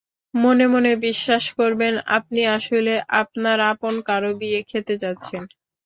মনে মনে বিশ্বাস করবেন, আপনি আসলে আপনার আপন কারও বিয়ে খেতে যাচ্ছেন।